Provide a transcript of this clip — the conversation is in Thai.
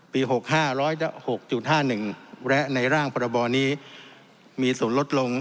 ปี๖๕ร้อยละ๖๕๑และในร่างประบอบนี้มีส่วนลดลง